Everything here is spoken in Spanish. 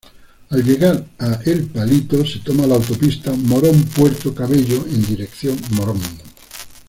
Al llegar a El Palito se toma la autopista Morón-Puerto Cabello en dirección Morón.